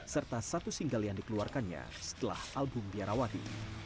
serta satu single yang dikeluarkannya setelah album biarawati